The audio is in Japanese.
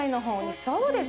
そうです。